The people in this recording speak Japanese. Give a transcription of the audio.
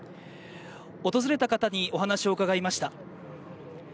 訪れた方にお話を伺いました。